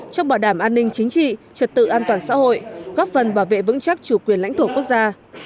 trong bảo đảm an ninh chính trị trật tự an toàn xã hội góp phần bảo vệ vững chắc chủ quyền lãnh thổ quốc gia